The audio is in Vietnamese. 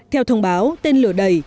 theo thông báo tên lửa đầy